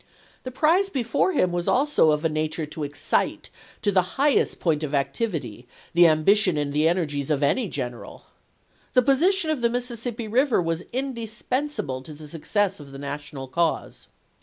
The prize before him was also of a nature to excite to the highest point of activity the ambition and the energies of any general. The possession of the Mississippi Eiver was indispensable to the success of the National cause.